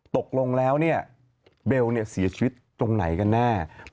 ตกลงแล้วนี่เบลล์สีอาชีพตรงไหนกันแน่